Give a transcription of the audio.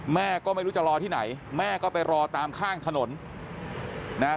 แม่ก็ไม่รู้จะรอที่ไหนแม่ก็ไปรอตามข้างถนนนะฮะ